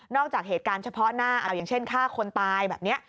จากเหตุการณ์เฉพาะหน้าเอาอย่างเช่นฆ่าคนตายแบบนี้